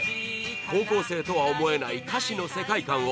高校生とは思えない歌詞の世界観を。